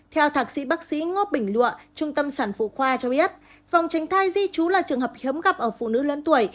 theo thạc sĩ bác sĩ ngô bình lụa trung tâm sản phụ khoa cho biết phòng tránh thai di trú là trường hợp hiếm gặp ở phụ nữ lớn tuổi